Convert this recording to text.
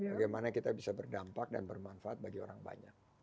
bagaimana kita bisa berdampak dan bermanfaat bagi orang banyak